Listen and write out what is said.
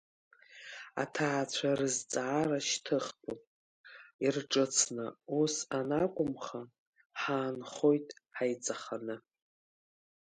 Аҭаацәа рызҵаара шьҭыхтәуп ирҿыцны, ус анакәымха, ҳаанхоит ҳаиҵаханы.